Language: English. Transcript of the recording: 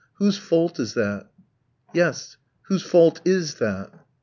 Whose fault is that? Yes; whose fault is that?